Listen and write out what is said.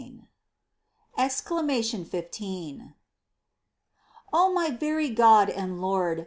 EXCLAMATION XV.^ 1. O my very God and Lord